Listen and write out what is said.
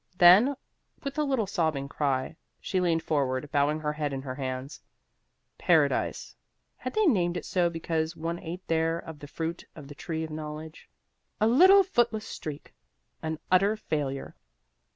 Then, with a little sobbing cry, she leaned forward, bowing her head in her hands. Paradise had they named it so because one ate there of the fruit of the tree of knowledge? "A little footless streak!" "An utter failure!"